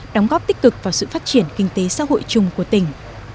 đóng góp tích cực vào sự phát triển kinh tế xã hội chung của tỉnh